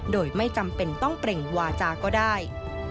โดยไม่จำเป็นต้องเปล่งวาจาก็ได้